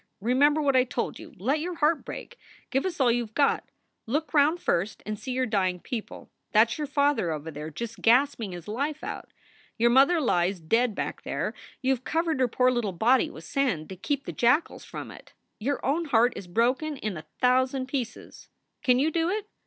Remem ber what I told you. Let your heart break. Give us all you ve got. Look round first and see your dying people. That s your father over there just gasping his life out. Your mother lies dead back there; you ve covered her poor little body with sand to keep the jackals from it. Your own heart is broken in a thousand pieces. Can you do it?